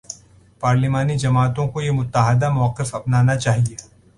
پارلیمانی جماعتوں کو یہ متحدہ موقف اپنانا چاہیے۔